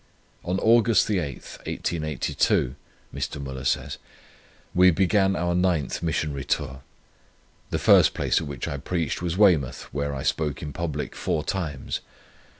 "On August 8th, 1882," Mr. Müller says, "we began our ninth Missionary Tour. The first place at which I preached was Weymouth, where I spoke in public four times.